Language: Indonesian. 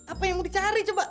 apa yang mau dicari coba